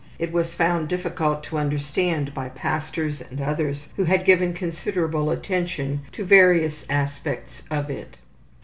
It was found difficult to understand by pastors and others who had given considerable attention to various aspects of it.